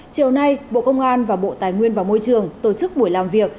chiều nay bộ công an và bộ tài nguyên và môi trường tổ chức buổi làm việc